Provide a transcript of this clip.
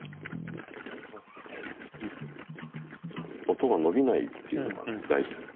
音が伸びないというのが大事なの。